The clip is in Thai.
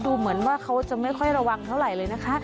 ดูเหมือนว่าเขาจะไม่ค่อยระวังเท่าไหร่เลยนะคะ